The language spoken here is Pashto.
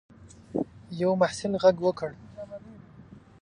یوه محصل غږ وکړ.